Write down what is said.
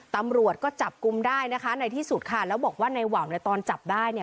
ตำรวจก็จับกลุ่มได้นะคะในที่สุดค่ะแล้วบอกว่าในว่าวในตอนจับได้เนี่ย